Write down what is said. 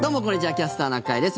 「キャスターな会」です。